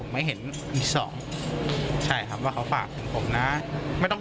ไม่เห็นอีกสองใช่ครับว่าเขาฝากถึงผมนะไม่ต้อง